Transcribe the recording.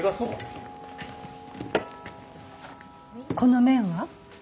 この麺は？